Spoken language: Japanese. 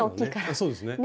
そうですね。